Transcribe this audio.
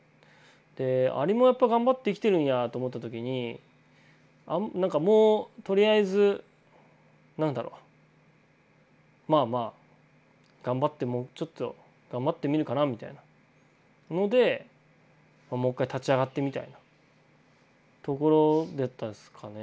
でアリもやっぱ頑張って生きてるんやと思った時になんかもうとりあえず何だろまあまあ頑張ってもうちょっと頑張ってみるかなみたいなのでもう一回立ち上がってみたいなところだったですかね